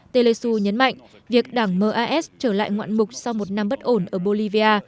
telesu nhấn mạnh việc đảng mas trở lại ngoạn mục sau một năm bất ổn ở bolivia